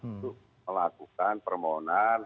untuk melakukan permohonan